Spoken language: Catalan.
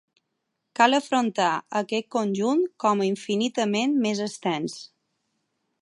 Cal afrontar aquest conjunt com a infinitament més extens.